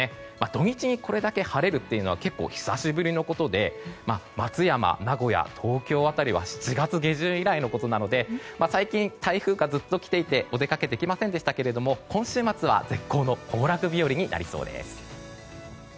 土日にこれだけ晴れるのは久しぶりのことで松山、名古屋、東京辺りは７月下旬以来のことなので最近、台風がずっと来ていてお出かけできませんでしたが今週末は絶好の行楽日和になりそうです。